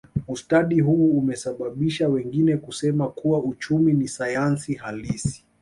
Ustadi huu umesababisha wengine kusema kuwa uchumi ni sayansi halisi